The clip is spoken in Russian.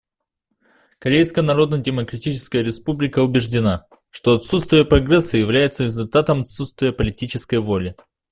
Корейская Народно-Демократическая Республика убеждена, что отсутствие прогресса является результатом отсутствия политической воли.